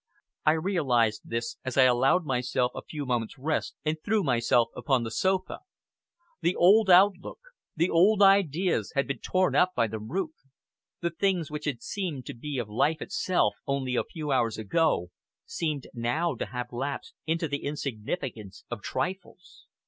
I realized this as I allowed myself a few moments' rest, and threw myself upon the sofa. The old outlook, the old ideas had been torn up by the root. The things which had seemed to be of life itself only a few hours ago seemed now to have lapsed into the insignificance of trifles.